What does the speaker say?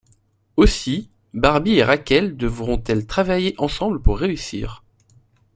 Aussi, Barbie et Raquelle devront-elles travailler ensemble pour réussir.